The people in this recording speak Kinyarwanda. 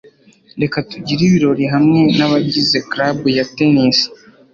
reka tugire ibirori hamwe nabagize club ya tennis